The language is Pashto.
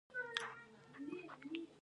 بدخشان د لاجوردو کان لري